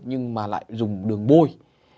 nhưng mà lại dùng đường bôi